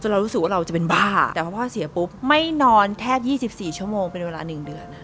เรารู้สึกว่าเราจะเป็นบ้าแต่พอพ่อเสียปุ๊บไม่นอนแทบ๒๔ชั่วโมงเป็นเวลา๑เดือน